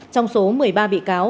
trong số một mươi ba bị cáo